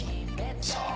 そう。